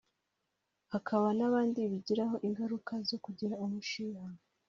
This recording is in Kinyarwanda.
hakaba n’abandi bigiraho ingaruka zo kugira umushiha